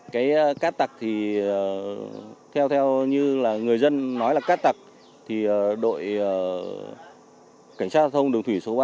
cái cát tặc thì theo như là người dân nói là cát tặc thì đội cảnh sát giao thông đường thủy số ba